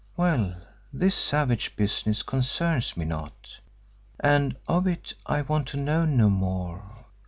Well, this savage business concerns me not and of it I want to know no more.